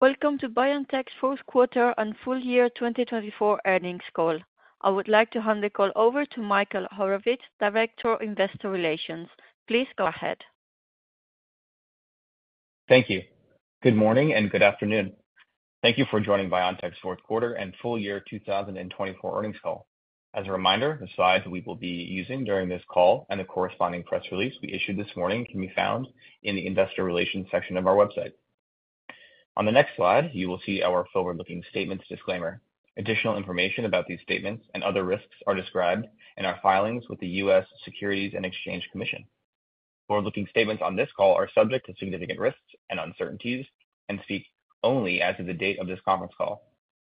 Welcome to BioNTech's Fourth Quarter and Full Year 2024 Earnings Call. I would like to hand the call over to Michael Horowicz, Director of Investor Relations. Please go ahead. Thank you. Good morning and good afternoon. Thank you for joining BioNTech's Fourth Quarter and Full Year 2024 Earnings Call. As a reminder, the slides we will be using during this call and the corresponding press release we issued this morning can be found in the Investor Relations section of our website. On the next slide, you will see our forward-looking statements disclaimer. Additional information about these statements and other risks are described in our filings with the U.S. Securities and Exchange Commission. Forward-looking statements on this call are subject to significant risks and uncertainties and speak only as of the date of this conference call.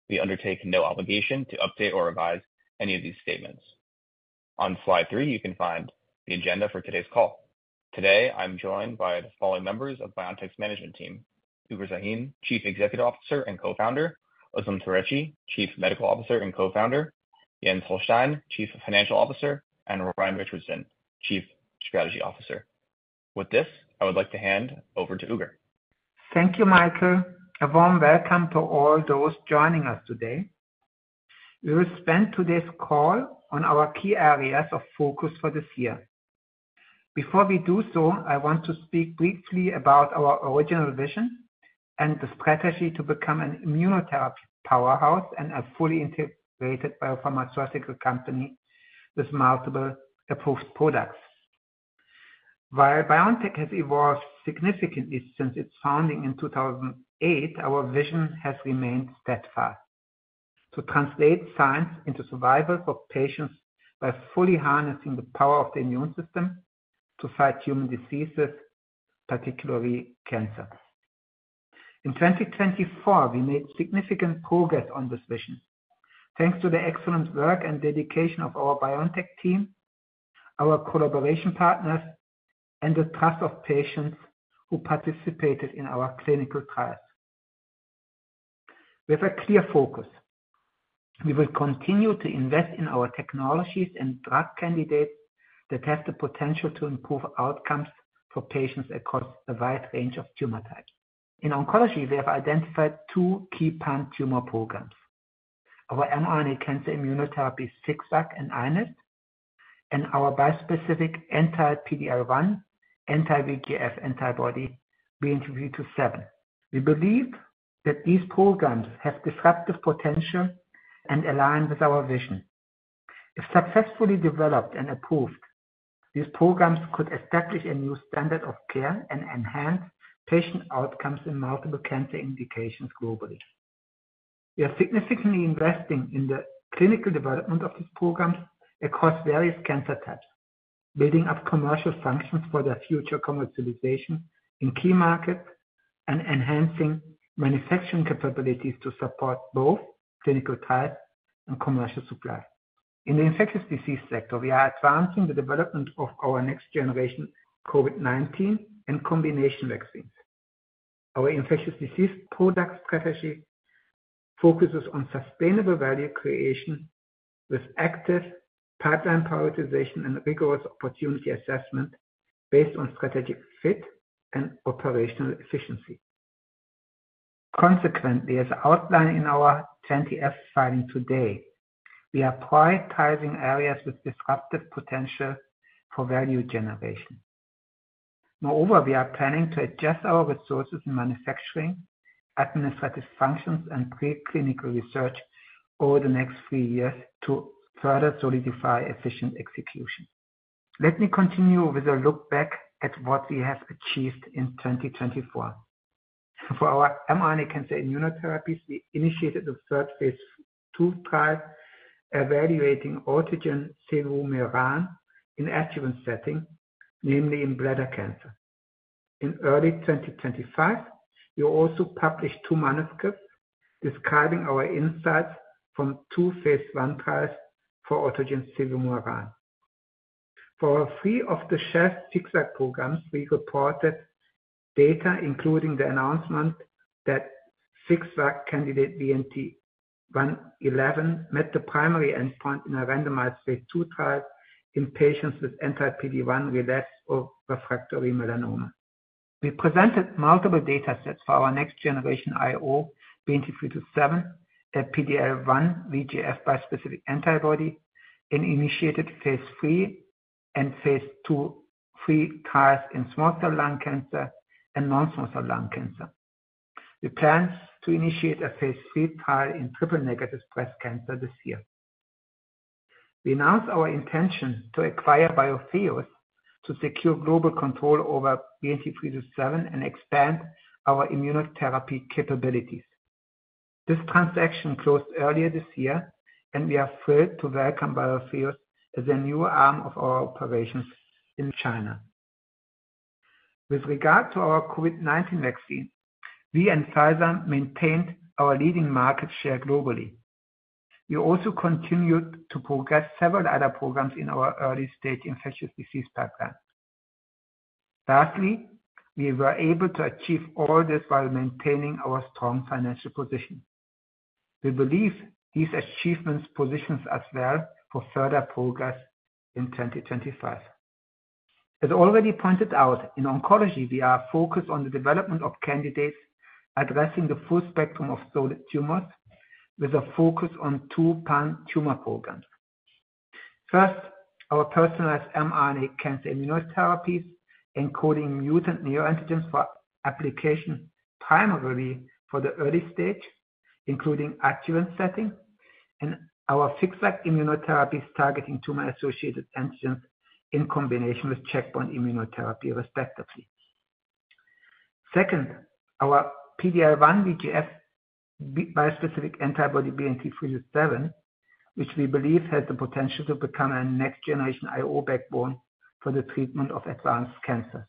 We undertake no obligation to update or revise any of these statements. On slide three, you can find the agenda for today's call. Today, I'm joined by the following members of BioNTech's management team: Ugur Sahin, Chief Executive Officer and Co-founder; Özlem Türeci, Chief Medical Officer and Co-founder; Jens Holstein, Chief Financial Officer; and Ryan Richardson, Chief Strategy Officer. With this, I would like to hand over to Ugur. Thank you, Michael. A warm welcome to all those joining us today. We will spend today's call on our key areas of focus for this year. Before we do so, I want to speak briefly about our original vision and the strategy to become an immunotherapy powerhouse and a fully integrated biopharmaceutical company with multiple approved products. While BioNTech has evolved significantly since its founding in 2008, our vision has remained steadfast: to translate science into survival for patients by fully harnessing the power of the immune system to fight human diseases, particularly cancer. In 2024, we made significant progress on this vision thanks to the excellent work and dedication of our BioNTech team, our collaboration partners, and the trust of patients who participated in our clinical trials. With a clear focus, we will continue to invest in our technologies and drug candidates that have the potential to improve outcomes for patients across a wide range of tumor types. In oncology, we have identified two key pan-tumor programs: our mRNA cancer immunotherapies FixVac and iNeST, and our bispecific anti-PD-L1, anti-VEGF antibody BNT327. We believe that these programs have disruptive potential and align with our vision. If successfully developed and approved, these programs could establish a new standard of care and enhance patient outcomes in multiple cancer indications globally. We are significantly investing in the clinical development of these programs across various cancer types, building up commercial functions for their future commercialization in key markets, and enhancing manufacturing capabilities to support both clinical trials and commercial supply. In the infectious disease sector, we are advancing the development of our next-generation COVID-19 and combination vaccines. Our infectious disease product strategy focuses on sustainable value creation with active pipeline prioritization and rigorous opportunity assessment based on strategic fit and operational efficiency. Consequently, as outlined in our 20F filing today, we are prioritizing areas with disruptive potential for value generation. Moreover, we are planning to adjust our resources in manufacturing, administrative functions, and preclinical research over the next three years to further solidify efficient execution. Let me continue with a look back at what we have achieved in 2024. For our mRNA cancer immunotherapies, we initiated the third phase II trials evaluating Autogene cevumeran in adjuvant setting, namely in bladder cancer. In early 2025, we also published two manuscripts describing our insights from two phase I trials for Autogene cevumeran. For three of the shared FixVac programs, we reported data, including the announcement that FixVac candidate BNT111 met the primary endpoint in a randomized phase II trial in patients with anti-PD-1 related refractory melanoma. We presented multiple datasets for our next-generation IO BNT327 and PD-L1 VEGF bispecific antibody and initiated phase III and phase II-III trials in small cell lung cancer and non-small cell lung cancer. We plan to initiate a phase III trial in triple-negative breast cancer this year. We announced our intention to acquire Biotheus to secure global control over BNT327 and expand our immunotherapy capabilities. This transaction closed earlier this year, and we are thrilled to welcome Biotheus as a new arm of our operations in China. With regard to our COVID-19 vaccine, we and Pfizer maintained our leading market share globally. We also continued to progress several other programs in our early-stage infectious disease pipeline. Lastly, we were able to achieve all this while maintaining our strong financial position. We believe these achievements position us well for further progress in 2025. As already pointed out, in oncology, we are focused on the development of candidates addressing the full spectrum of solid tumors with a focus on two pan-tumor programs. First, our personalized mRNA cancer immunotherapies encoding mutant neoantigens for application primarily for the early stage, including adjuvant setting, and our FixVac immunotherapies targeting tumor-associated antigens in combination with checkpoint immunotherapy, respectively. Second, our PD-L1 VEGF bispecific antibody BNT327, which we believe has the potential to become a next-generation IO backbone for the treatment of advanced cancers.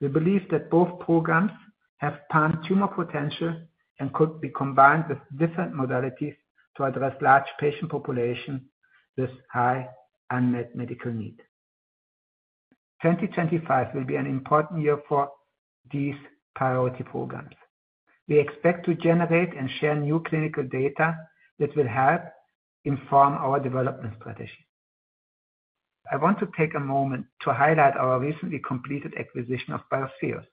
We believe that both programs have pan-tumor potential and could be combined with different modalities to address large patient populations with high unmet medical needs. 2025 will be an important year for these priority programs. We expect to generate and share new clinical data that will help inform our development strategy. I want to take a moment to highlight our recently completed acquisition of Biotheus.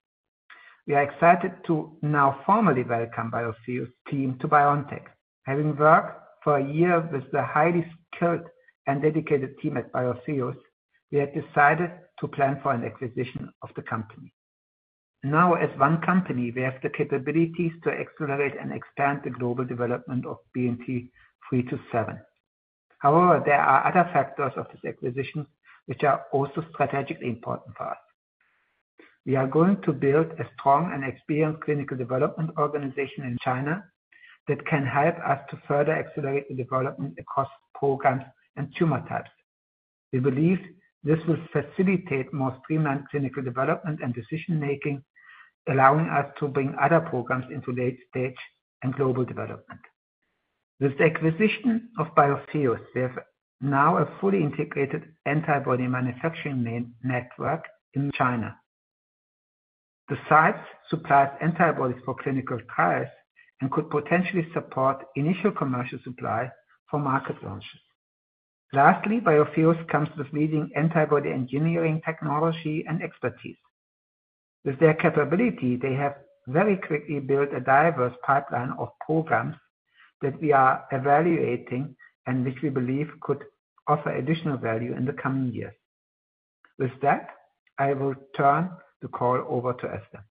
We are excited to now formally welcome Biotheus' team to BioNTech. Having worked for a year with the highly skilled and dedicated team at Biotheus, we have decided to plan for an acquisition of the company. Now, as one company, we have the capabilities to accelerate and expand the global development of BNT327. However, there are other factors of this acquisition which are also strategically important for us. We are going to build a strong and experienced clinical development organization in China that can help us to further accelerate the development across programs and tumor types. We believe this will facilitate more streamlined clinical development and decision-making, allowing us to bring other programs into late-stage and global development. With the acquisition of Biotheus, we have now a fully integrated antibody manufacturing network in China. The sites supply antibodies for clinical trials and could potentially support initial commercial supply for market launches. Lastly, Biotheus comes with leading antibody engineering technology and expertise. With their capability, they have very quickly built a diverse pipeline of programs that we are evaluating and which we believe could offer additional value in the coming years. With that, I will turn the call over to Özlem.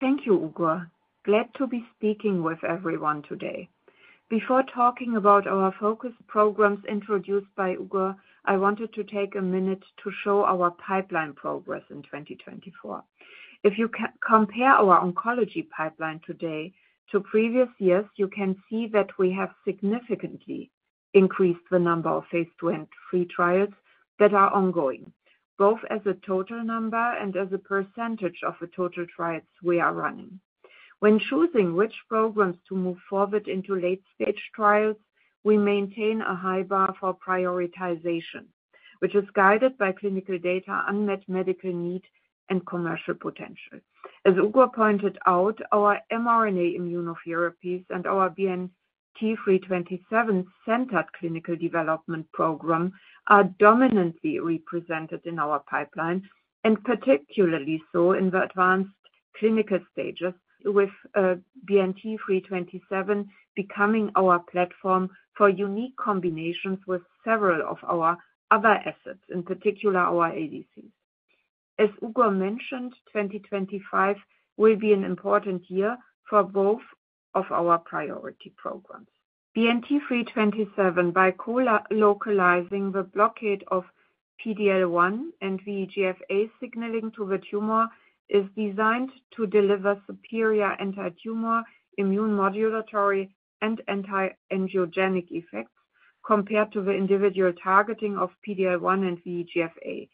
Thank you, Ugur. Glad to be speaking with everyone today. Before talking about our focus programs introduced by Ugur, I wanted to take a minute to show our pipeline progress in 2024. If you compare our oncology pipeline today to previous years, you can see that we have significantly increased the number of phase II and III trials that are ongoing, both as a total number and as a percentage of the total trials we are running. When choosing which programs to move forward into late-stage trials, we maintain a high bar for prioritization, which is guided by clinical data, unmet medical need, and commercial potential. As Ugur pointed out, our mRNA immunotherapies and our BNT327-centered clinical development program are dominantly represented in our pipeline, and particularly so in the advanced clinical stages, with BNT327 becoming our platform for unique combinations with several of our other assets, in particular our ADCs. As Ugur mentioned, 2025 will be an important year for both of our priority programs. BNT327, by co-localizing the blockade of PD-L1 and VEGF signaling to the tumor, is designed to deliver superior anti-tumor, immune modulatory, and anti-angiogenic effects compared to the individual targeting of PD-L1 and VEGF,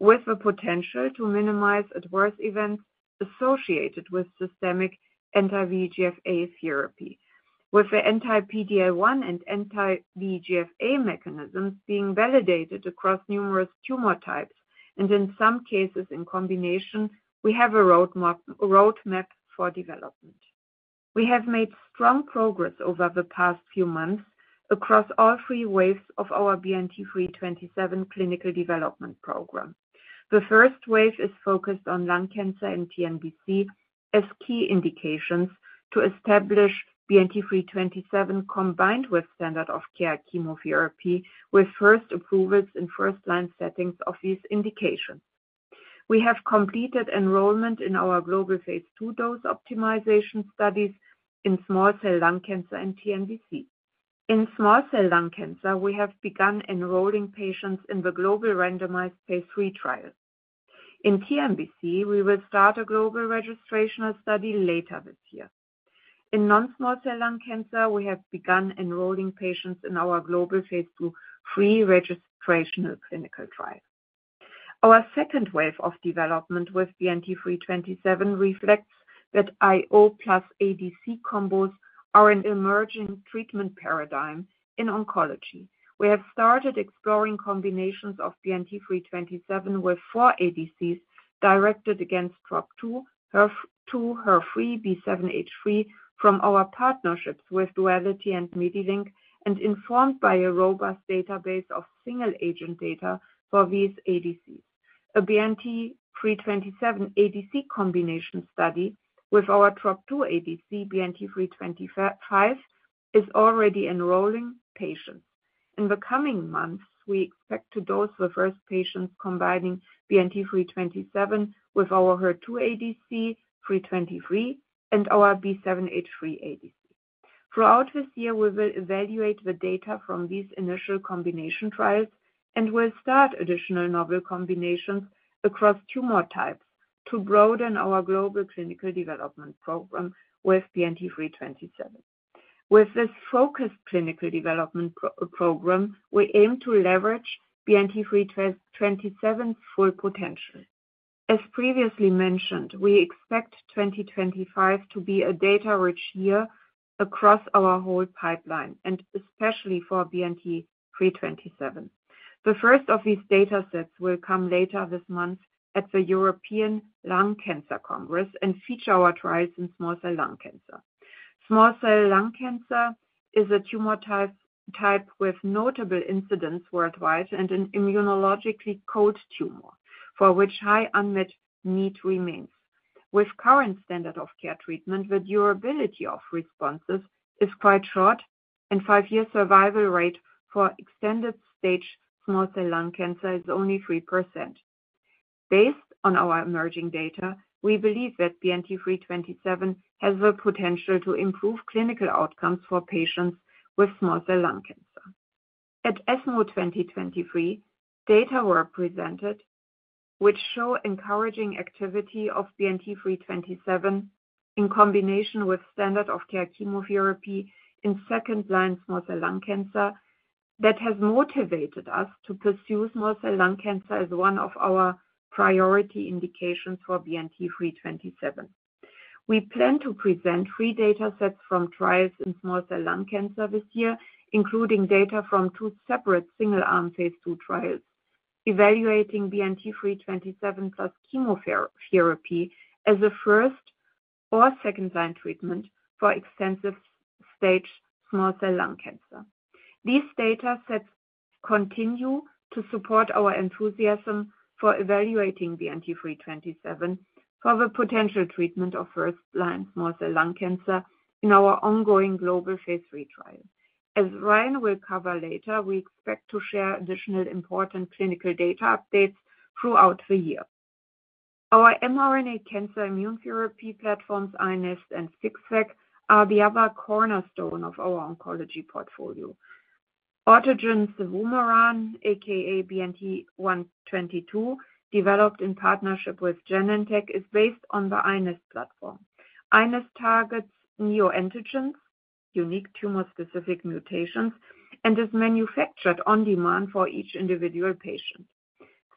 with the potential to minimize adverse events associated with systemic anti-VEGF therapy, with the anti-PD-L1 and anti-VEGF mechanisms being validated across numerous tumor types. In some cases, in combination, we have a roadmap for development. We have made strong progress over the past few months across all three waves of our BNT327 clinical development program. The first wave is focused on lung cancer and TNBC as key indications to establish BNT327 combined with standard of care chemotherapy with first approvals in first-line settings of these indications. We have completed enrollment in our global phase II dose optimization studies in small cell lung cancer and TNBC. In small cell lung cancer, we have begun enrolling patients in the global randomized phase III trials. In TNBC, we will start a global registrational study later this year. In non-small cell lung cancer, we have begun enrolling patients in our global phase II pre-registrational clinical trial. Our second wave of development with BNT327 reflects that IO plus ADC combos are an emerging treatment paradigm in oncology. We have started exploring combinations of BNT327 with four ADCs directed against HER2, HER2, HER3, B7H3 from our partnerships with Duality and Medilink, and informed by a robust database of single-agent data for these ADCs. A BNT327-ADC combination study with our HER2 ADC BNT325 is already enrolling patients. In the coming months, we expect to dose the first patients combining BNT327 with our HER2 ADC 323 and our B7H3 ADC. Throughout this year, we will evaluate the data from these initial combination trials and will start additional novel combinations across tumor types to broaden our global clinical development program with BNT327. With this focused clinical development program, we aim to leverage BNT327's full potential. As previously mentioned, we expect 2025 to be a data-rich year across our whole pipeline, and especially for BNT327. The first of these datasets will come later this month at the European Lung Cancer Congress and feature our trials in small cell lung cancer. Small cell lung cancer is a tumor type with notable incidence worldwide and an immunologically cold tumor, for which high unmet need remains. With current standard of care treatment, the durability of responses is quite short, and five-year survival rate for extended-stage small cell lung cancer is only 3%. Based on our emerging data, we believe that BNT327 has the potential to improve clinical outcomes for patients with small cell lung cancer. At ESMO 2023, data were presented which show encouraging activity of BNT327 in combination with standard of care chemotherapy in second-line small cell lung cancer that has motivated us to pursue small cell lung cancer as one of our priority indications for BNT327. We plan to present three datasets from trials in small cell lung cancer this year, including data from two separate single-arm phase II trials evaluating BNT327 plus chemotherapy as a first or second-line treatment for extensive-stage small cell lung cancer. These datasets continue to support our enthusiasm for evaluating BNT327 for the potential treatment of first-line small cell lung cancer in our ongoing global phase III trial. As Ryan will cover later, we expect to share additional important clinical data updates throughout the year. Our mRNA cancer immunotherapy platforms, iNeST and FixVac, are the other cornerstone of our oncology portfolio. Autogene cevumeran, a.k.a. BNT122, developed in partnership with Genentech, is based on the iNeST platform. iNeST targets neoantigens, unique tumor-specific mutations, and is manufactured on demand for each individual patient.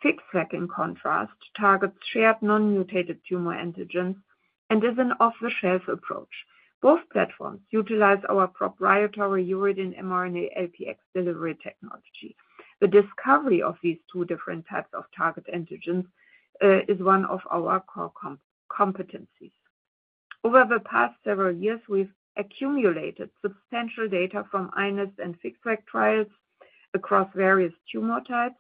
FixVac, in contrast, targets shared non-mutated tumor antigens and is an off-the-shelf approach. Both platforms utilize our proprietary uridine mRNA LPX delivery technology. The discovery of these two different types of target antigens is one of our core competencies. Over the past several years, we've accumulated substantial data from iNeST and FixVac trials across various tumor types.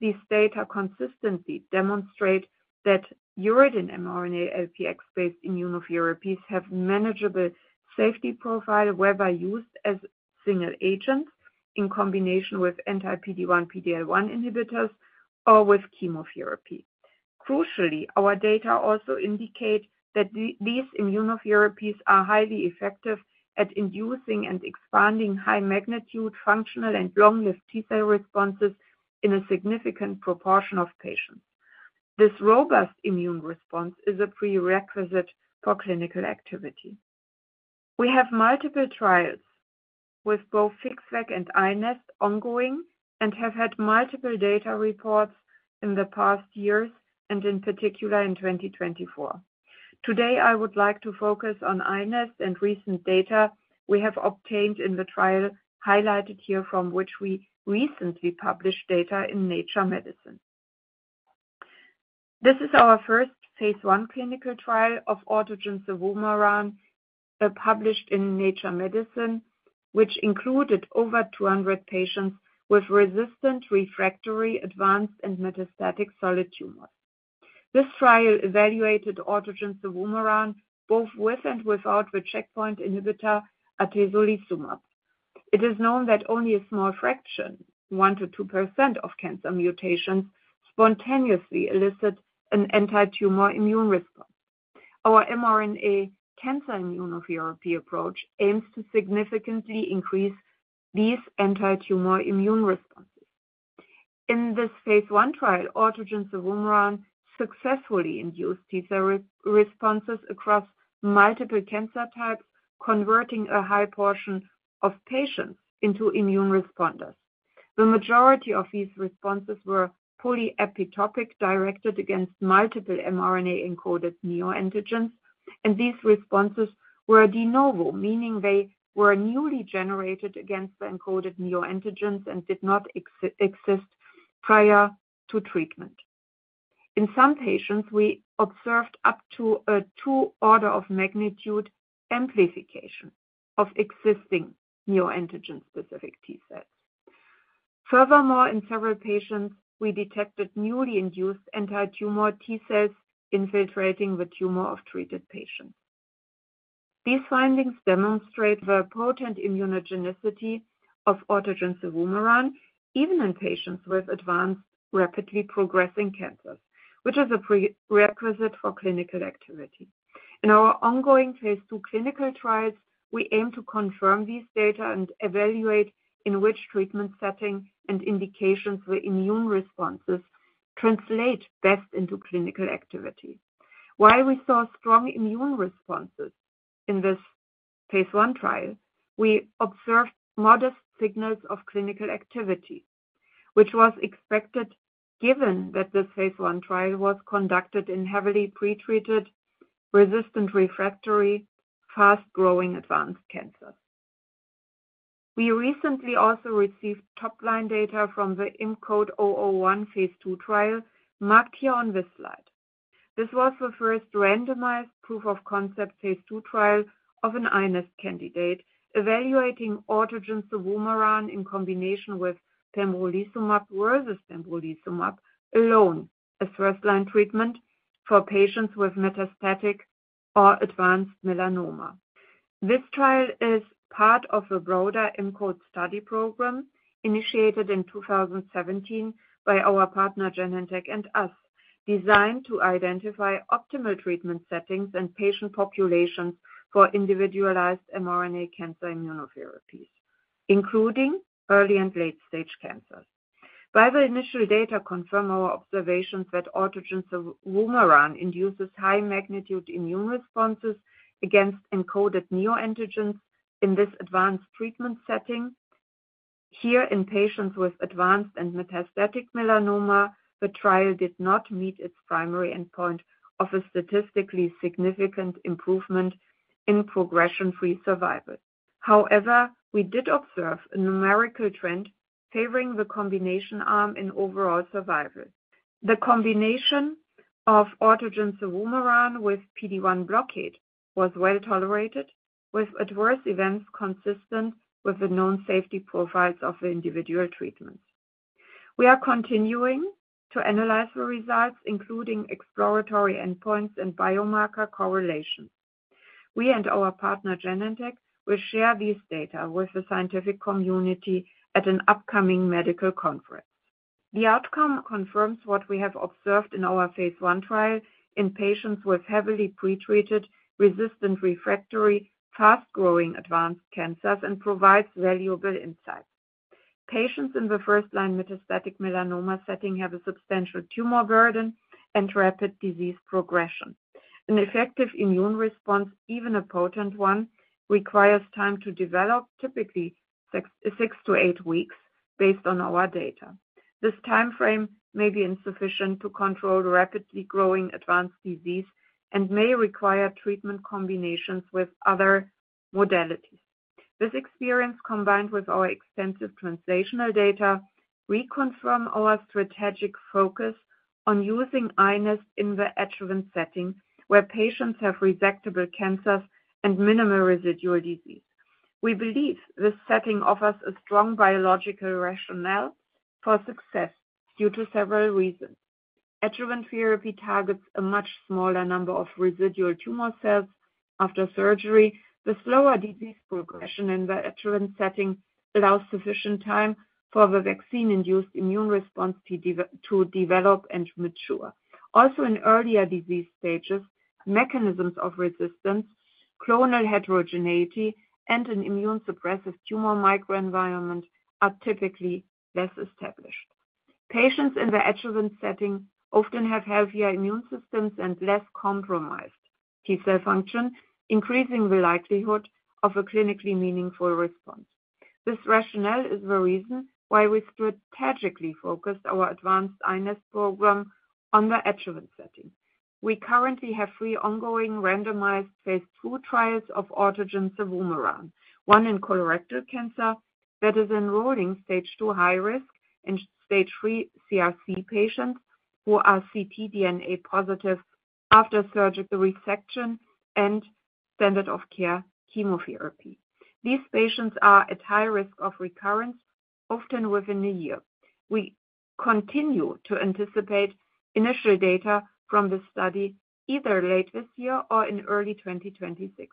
These data consistently demonstrate that uridine mRNA LPX-based immunotherapies have a manageable safety profile whether used as single agents in combination with anti-PD1, PD-L1 inhibitors or with chemotherapy. Crucially, our data also indicate that these immunotherapies are highly effective at inducing and expanding high-magnitude functional and long-lived T-cell responses in a significant proportion of patients. This robust immune response is a prerequisite for clinical activity. We have multiple trials with both FixVac and iNeST ongoing and have had multiple data reports in the past years and, in particular, in 2024. Today, I would like to focus on iNeST and recent data we have obtained in the trial highlighted here, from which we recently published data in Nature Medicine. This is our first phase I clinical trial of autogene cevumeran published in Nature Medicine, which included over 200 patients with resistant refractory advanced and metastatic solid tumors. This trial evaluated autogene cevumeran both with and without the checkpoint inhibitor atezolizumab. It is known that only a small fraction, 1-2%, of cancer mutations spontaneously elicit an anti-tumor immune response. Our mRNA cancer immunotherapy approach aims to significantly increase these anti-tumor immune responses. In this phase I trial, autogene cevumeran successfully induced T-cell responses across multiple cancer types, converting a high portion of patients into immune responders. The majority of these responses were polyepitopic directed against multiple mRNA-encoded neoantigens, and these responses were de novo, meaning they were newly generated against the encoded neoantigens and did not exist prior to treatment. In some patients, we observed up to a two-order of magnitude amplification of existing neoantigen-specific T-cells. Furthermore, in several patients, we detected newly induced anti-tumor T-cells infiltrating the tumor of treated patients. These findings demonstrate the potent immunogenicity of autogene cevumeran even in patients with advanced rapidly progressing cancers, which is a prerequisite for clinical activity. In our ongoing phase II clinical trials, we aim to confirm these data and evaluate in which treatment setting and indications where immune responses translate best into clinical activity. While we saw strong immune responses in this phase I trial, we observed modest signals of clinical activity, which was expected given that this phase I trial was conducted in heavily pretreated resistant refractory fast-growing advanced cancers. We recently also received top-line data from the IMCODE-001 phase II trial marked here on this slide. This was the first randomized proof of concept phase II trial of an iNeST candidate evaluating autogene cevumeran in combination with pembrolizumab versus pembrolizumab alone as first-line treatment for patients with metastatic or advanced melanoma. This trial is part of a broader IMCODE study program initiated in 2017 by our partner Genentech and us, designed to identify optimal treatment settings and patient populations for individualized mRNA cancer immunotherapies, including early and late-stage cancers. While the initial data confirm our observations that autogene cevumeran induces high-magnitude immune responses against encoded neoantigens in this advanced treatment setting, here in patients with advanced and metastatic melanoma, the trial did not meet its primary endpoint of a statistically significant improvement in progression-free survival. However, we did observe a numerical trend favoring the combination arm in overall survival. The combination of autogene cevumeran with PD1 blockade was well tolerated, with adverse events consistent with the known safety profiles of the individual treatments. We are continuing to analyze the results, including exploratory endpoints and biomarker correlation. We and our partner Genentech will share these data with the scientific community at an upcoming medical conference. The outcome confirms what we have observed in our phase I trial in patients with heavily pretreated resistant refractory fast-growing advanced cancers and provides valuable insights. Patients in the first-line metastatic melanoma setting have a substantial tumor burden and rapid disease progression. An effective immune response, even a potent one, requires time to develop, typically six to eight weeks, based on our data. This time frame may be insufficient to control rapidly growing advanced disease and may require treatment combinations with other modalities. This experience, combined with our extensive translational data, reconfirms our strategic focus on using iNeST in the adjuvant setting where patients have resectable cancers and minimal residual disease. We believe this setting offers a strong biological rationale for success due to several reasons. Adjuvant therapy targets a much smaller number of residual tumor cells after surgery. The slower disease progression in the adjuvant setting allows sufficient time for the vaccine-induced immune response to develop and mature. Also, in earlier disease stages, mechanisms of resistance, clonal heterogeneity, and an immune-suppressive tumor microenvironment are typically less established. Patients in the adjuvant setting often have healthier immune systems and less compromised T-cell function, increasing the likelihood of a clinically meaningful response. This rationale is the reason why we strategically focused our advanced iNeST program on the adjuvant setting. We currently have three ongoing randomized phase II trials of autogene cevumeran, one in colorectal cancer that is enrolling stage two high-risk and stage three CRC patients who are ctDNA positive after surgical resection and standard of care chemotherapy. These patients are at high risk of recurrence, often within a year. We continue to anticipate initial data from this study either late this year or in early 2026.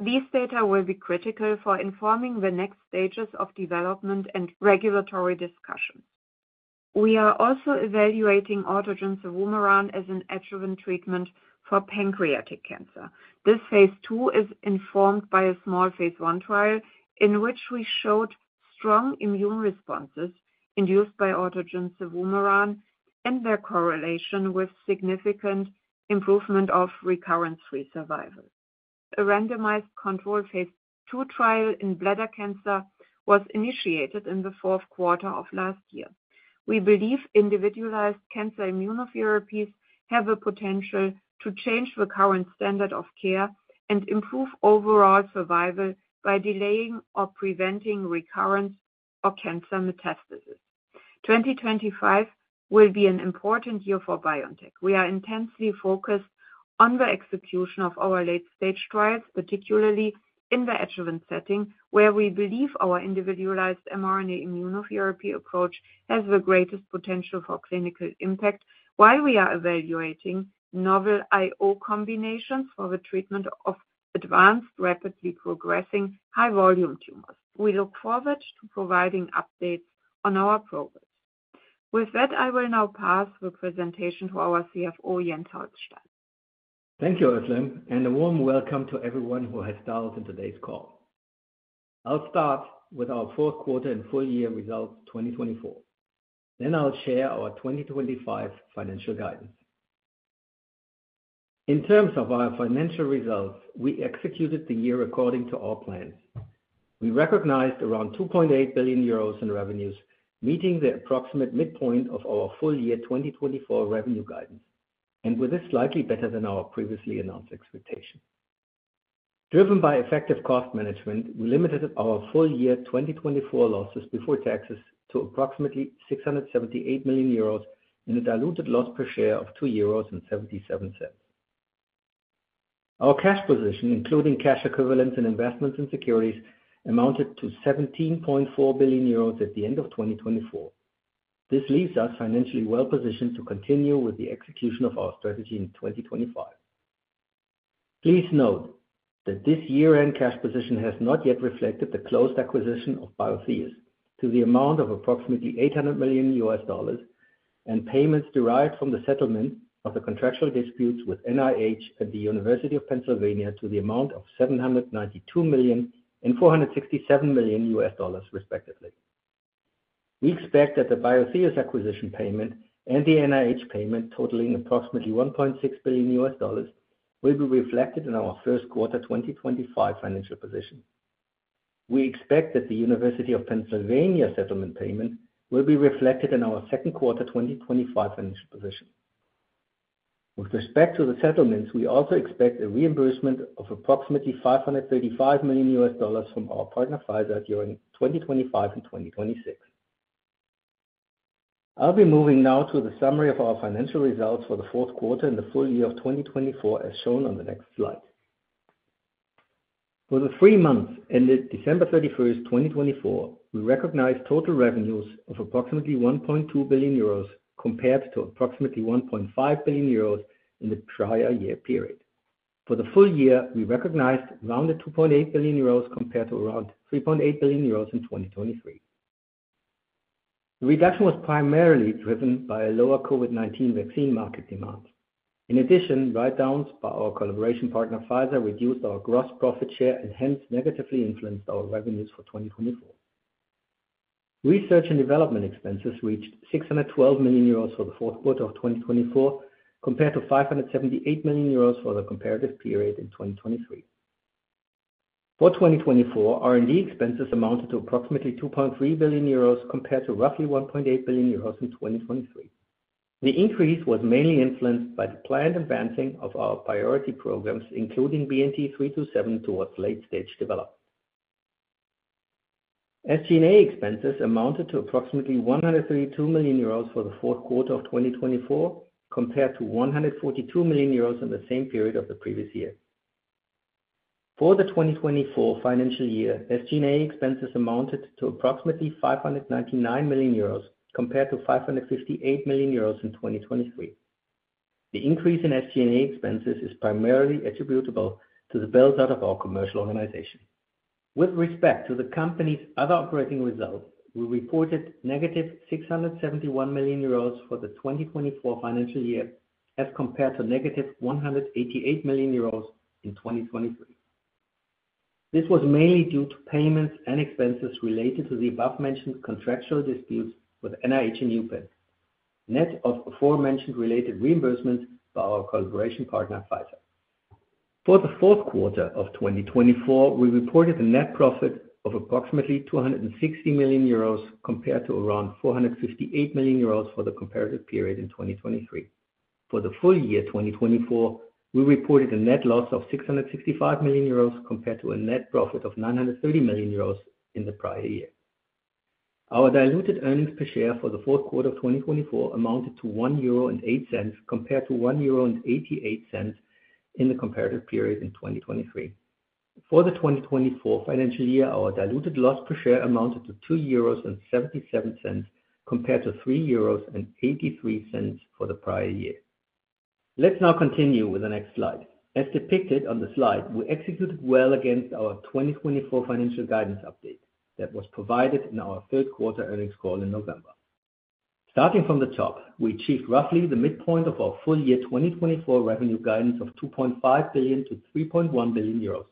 These data will be critical for informing the next stages of development and regulatory discussions. We are also evaluating autogene cevumeran as an adjuvant treatment for pancreatic cancer. This phase II is informed by a small phase I trial in which we showed strong immune responses induced by autogene cevumeran and their correlation with significant improvement of recurrence-free survival. A randomized control phase II trial in bladder cancer was initiated in the fourth quarter of last year. We believe individualized cancer immunotherapies have the potential to change the current standard of care and improve overall survival by delaying or preventing recurrence or cancer metastasis. 2025 will be an important year for BioNTech. We are intensely focused on the execution of our late-stage trials, particularly in the adjuvant setting, where we believe our individualized mRNA immunotherapy approach has the greatest potential for clinical impact while we are evaluating novel IO combinations for the treatment of advanced, rapidly progressing, high-volume tumors. We look forward to providing updates on our progress. With that, I will now pass the presentation to our CFO, Jens Holstein. Thank you, Özlem, and a warm welcome to everyone who has dialed in today's call. I'll start with our fourth quarter and full-year results 2024. Then I'll share our 2025 financial guidance. In terms of our financial results, we executed the year according to our plans. We recognized around 2.8 billion euros in revenues, meeting the approximate midpoint of our full-year 2024 revenue guidance, and with this slightly better than our previously announced expectation. Driven by effective cost management, we limited our full-year 2024 losses before taxes to approximately 678 million euros and a diluted loss per share of 2.77 euros. Our cash position, including cash equivalents and investments in securities, amounted to 17.4 billion euros at the end of 2024. This leaves us financially well positioned to continue with the execution of our strategy in 2025. Please note that this year-end cash position has not yet reflected the closed acquisition of Biotheus to the amount of approximately $800 million and payments derived from the settlement of the contractual disputes with NIH and the University of Pennsylvania to the amount of $792 million and $467 million respectively. We expect that the Biotheus acquisition payment and the NIH payment totaling approximately $1.6 billion will be reflected in our first quarter 2025 financial position. We expect that the University of Pennsylvania settlement payment will be reflected in our second quarter 2025 financial position. With respect to the settlements, we also expect a reimbursement of approximately $535 million from our partner Pfizer during 2025 and 2026. I'll be moving now to the summary of our financial results for the fourth quarter and the full year of 2024, as shown on the next slide. For the three months ended December 31, 2024, we recognized total revenues of approximately 1.2 billion euros compared to approximately 1.5 billion euros in the prior year period. For the full year, we recognized around 2.8 billion euros compared to around 3.8 billion euros in 2023. The reduction was primarily driven by a lower COVID-19 vaccine market demand. In addition, write-downs by our collaboration partner Pfizer reduced our gross profit share and hence negatively influenced our revenues for 2024. Research and development expenses reached 612 million euros for the fourth quarter of 2024 compared to 578 million euros for the comparative period in 2023. For 2024, R&D expenses amounted to approximately 2.3 billion euros compared to roughly 1.8 billion euros in 2023. The increase was mainly influenced by the planned advancing of our priority programs, including BNT327, towards late-stage development. SG&A expenses amounted to approximately 132 million euros for the fourth quarter of 2024 compared to 142 million euros in the same period of the previous year. For the 2024 financial year, SG&A expenses amounted to approximately 599 million euros compared to 558 million euros in 2023. The increase in SG&A expenses is primarily attributable to the build-out of our commercial organization. With respect to the company's other operating results, we reported negative 671 million euros for the 2024 financial year as compared to negative 188 million euros in 2023. This was mainly due to payments and expenses related to the above-mentioned contractual disputes with NIH and the University of Pennsylvania, net of aforementioned related reimbursements by our collaboration partner Pfizer. For the fourth quarter of 2024, we reported a net profit of approximately 260 million euros compared to around 458 million euros for the comparative period in 2023. For the full year 2024, we reported a net loss of 665 million euros compared to a net profit of 930 million euros in the prior year. Our diluted earnings per share for the fourth quarter of 2024 amounted to 1.08 euro compared to 1.88 euro in the comparative period in 2023. For the 2024 financial year, our diluted loss per share amounted to 2.77 euros compared to 3.83 euros for the prior year. Let's now continue with the next slide. As depicted on the slide, we executed well against our 2024 financial guidance update that was provided in our third quarter earnings call in November. Starting from the top, we achieved roughly the midpoint of our full-year 2024 revenue guidance of 2.5 billion-3.1 billion euros.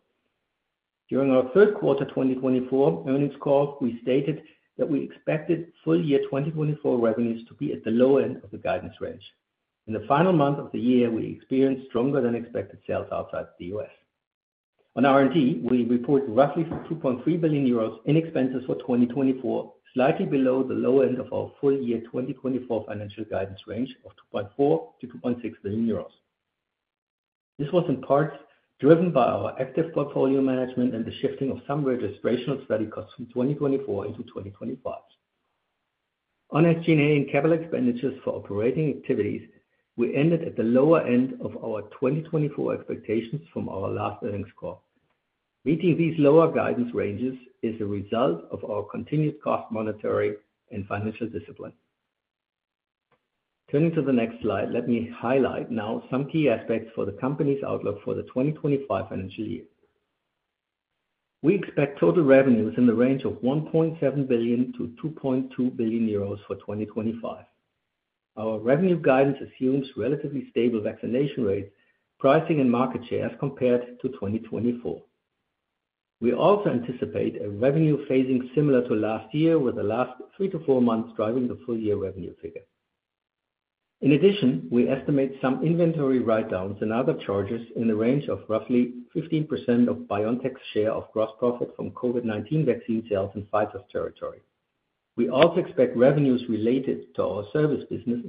During our third quarter 2024 earnings call, we stated that we expected full-year 2024 revenues to be at the low end of the guidance range. In the final month of the year, we experienced stronger-than-expected sales outside the U.S. On R&D, we reported roughly 2.3 billion euros in expenses for 2024, slightly below the low end of our full-year 2024 financial guidance range of 2.4-2.6 billion euros. This was in part driven by our active portfolio management and the shifting of some registrational study costs from 2024 into 2025. On SG&A and capital expenditures for operating activities, we ended at the lower end of our 2024 expectations from our last earnings call. Meeting these lower guidance ranges is a result of our continued cost monitoring and financial discipline. Turning to the next slide, let me highlight now some key aspects for the company's outlook for the 2025 financial year. We expect total revenues in the range of 1.7 billion-2.2 billion euros for 2025. Our revenue guidance assumes relatively stable vaccination rates, pricing, and market share as compared to 2024. We also anticipate a revenue phasing similar to last year, with the last three to four months driving the full-year revenue figure. In addition, we estimate some inventory write-downs and other charges in the range of roughly 15% of BioNTech's share of gross profit from COVID-19 vaccine sales in Pfizer's territory. We also expect revenues related to our service business,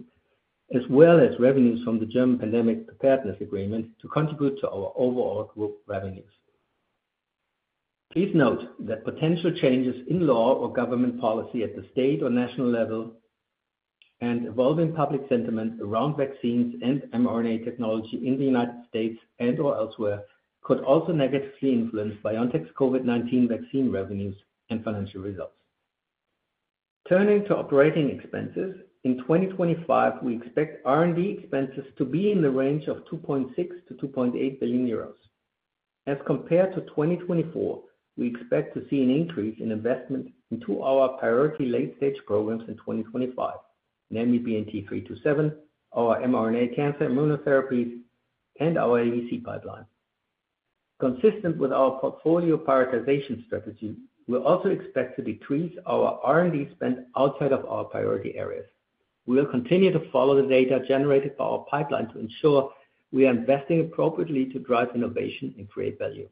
as well as revenues from the German pandemic preparedness agreement, to contribute to our overall group revenues. Please note that potential changes in law or government policy at the state or national level and evolving public sentiment around vaccines and mRNA technology in the U.S. and/or elsewhere could also negatively influence BioNTech's COVID-19 vaccine revenues and financial results. Turning to operating expenses, in 2025, we expect R&D expenses to be in the range of 2.6 billion-2.8 billion euros. As compared to 2024, we expect to see an increase in investment into our priority late-stage programs in 2025, namely BNT327, our mRNA cancer immunotherapies, and our AVC pipeline. Consistent with our portfolio prioritization strategy, we also expect to decrease our R&D spend outside of our priority areas. We will continue to follow the data generated by our pipeline to ensure we are investing appropriately to drive innovation and create value.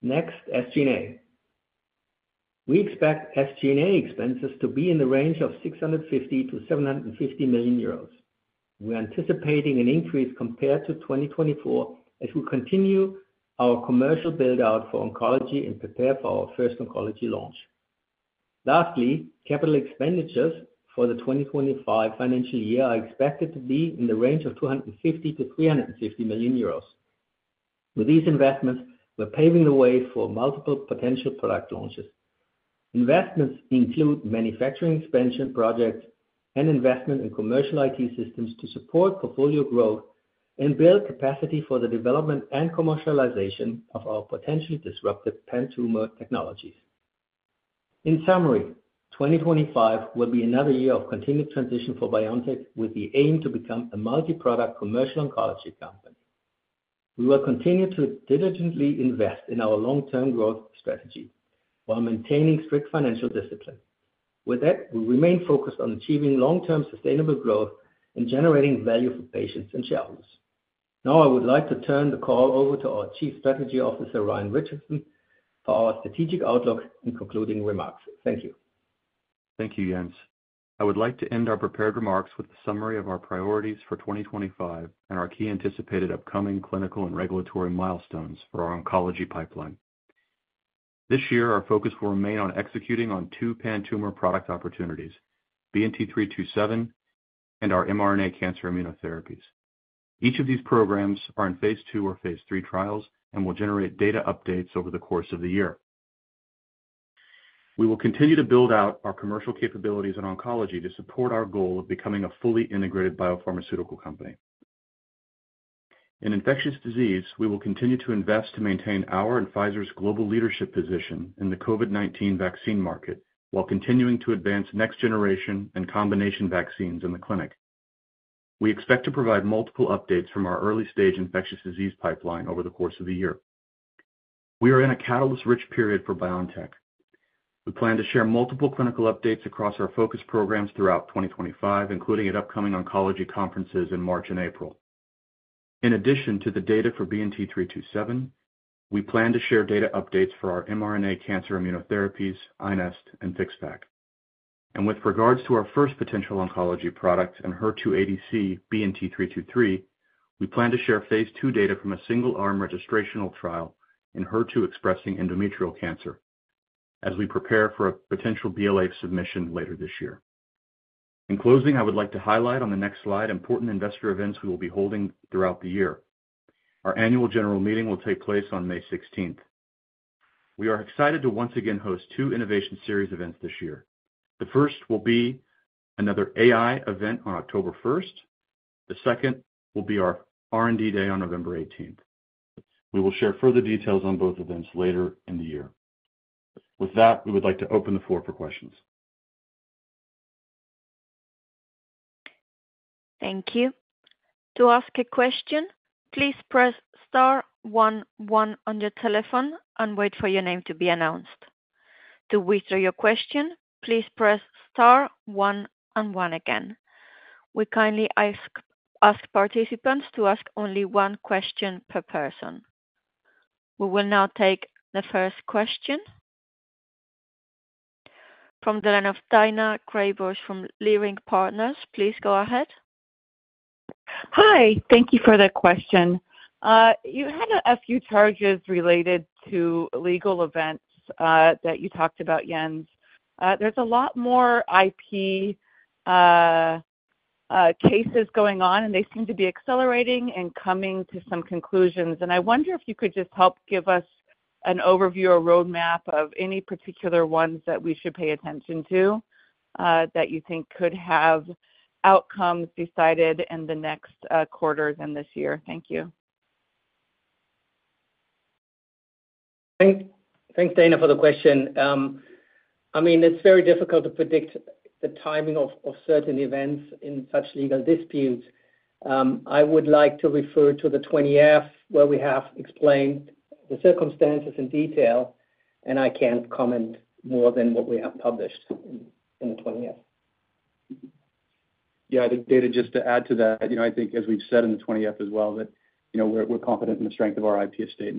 Next, SG&A. We expect SG&A expenses to be in the range of 650 million-750 million euros. We are anticipating an increase compared to 2024 as we continue our commercial build-out for oncology and prepare for our first oncology launch. Lastly, capital expenditures for the 2025 financial year are expected to be in the range of 250 million-350 million euros. With these investments, we're paving the way for multiple potential product launches. Investments include manufacturing expansion projects and investment in commercial IT systems to support portfolio growth and build capacity for the development and commercialization of our potentially disruptive pan-tumor technologies. In summary, 2025 will be another year of continued transition for BioNTech, with the aim to become a multi-product commercial oncology company. We will continue to diligently invest in our long-term growth strategy while maintaining strict financial discipline. With that, we remain focused on achieving long-term sustainable growth and generating value for patients and shareholders. Now, I would like to turn the call over to our Chief Strategy Officer, Ryan Richardson, for our strategic outlook and concluding remarks. Thank you. Thank you, Jens. I would like to end our prepared remarks with a summary of our priorities for 2025 and our key anticipated upcoming clinical and regulatory milestones for our oncology pipeline. This year, our focus will remain on executing on two pan-tumor product opportunities, BNT327 and our mRNA cancer immunotherapies. Each of these programs are in phase II or phase III trials and will generate data updates over the course of the year. We will continue to build out our commercial capabilities in oncology to support our goal of becoming a fully integrated biopharmaceutical company. In infectious disease, we will continue to invest to maintain our and Pfizer's global leadership position in the COVID-19 vaccine market while continuing to advance next-generation and combination vaccines in the clinic. We expect to provide multiple updates from our early-stage infectious disease pipeline over the course of the year. We are in a catalyst-rich period for BioNTech. We plan to share multiple clinical updates across our focus programs throughout 2025, including at upcoming oncology conferences in March and April. In addition to the data for BNT327, we plan to share data updates for our mRNA cancer immunotherapies, iNeST, and FixVac. With regards to our first potential oncology product and HER2/ADC BNT323, we plan to share phase II data from a single-arm registrational trial in HER2-expressing endometrial cancer as we prepare for a potential BLA submission later this year. In closing, I would like to highlight on the next slide important investor events we will be holding throughout the year. Our annual general meeting will take place on May 16. We are excited to once again host two innovation series events this year. The first will be another AI event on October 1. The second will be our R&D day on November 18. We will share further details on both events later in the year. With that, we would like to open the floor for questions. Thank you. To ask a question, please press star one-one on your telephone and wait for your name to be announced. To withdraw your question, please press star one-one again. We kindly ask participants to ask only one question per person. We will now take the first question from Daina Graybosch from Leerink Partners. Please go ahead. Hi. Thank you for the question. You had a few charges related to legal events that you talked about, Jens. There is a lot more IP cases going on, and they seem to be accelerating and coming to some conclusions. I wonder if you could just help give us an overview or roadmap of any particular ones that we should pay attention to that you think could have outcomes decided in the next quarters and this year. Thank you. Thanks, Daina, for the question. I mean, it's very difficult to predict the timing of certain events in such legal disputes. I would like to refer to the 20F, where we have explained the circumstances in detail, and I can't comment more than what we have published in the 20F. Yeah, I think, Daina, just to add to that, I think, as we've said in the 20F as well, that we're confident in the strength of our IP estate.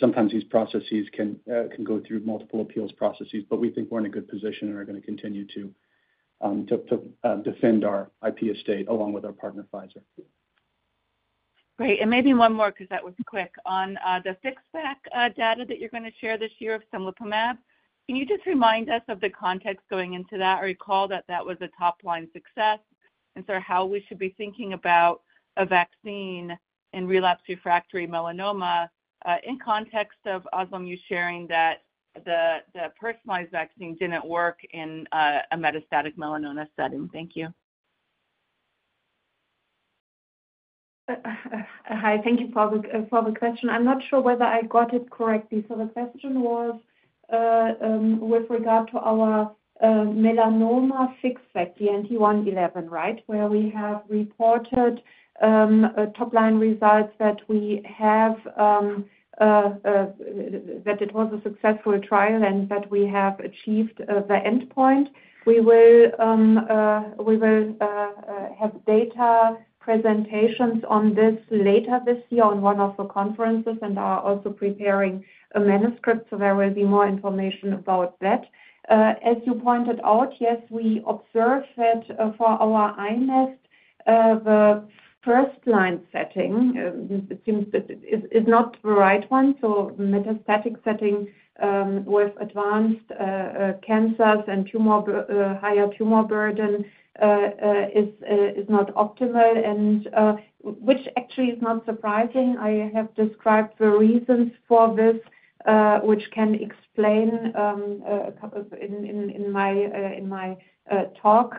Sometimes these processes can go through multiple appeals processes, but we think we're in a good position and are going to continue to defend our IP estate along with our partner, Pfizer. Right. Maybe one more because that was quick on the FixVac data that you're going to share this year of autogene cevumeran. Can you just remind us of the context going into that? I recall that that was a top-line success. How we should be thinking about a vaccine in relapse refractory melanoma in context of Özlem, you sharing that the personalized vaccine didn't work in a metastatic melanoma setting. Thank you. Hi. Thank you for the question. I'm not sure whether I got it correctly. The question was with regard to our melanoma FixVac, BNT111, right, where we have reported top-line results that we have that it was a successful trial and that we have achieved the endpoint. We will have data presentations on this later this year at one of the conferences, and are also preparing a manuscript, so there will be more information about that. As you pointed out, yes, we observed that for our iNeST, the first-line setting, it seems that it is not the right one. Metastatic setting with advanced cancers and higher tumor burden is not optimal, which actually is not surprising. I have described the reasons for this, which I can explain in my talk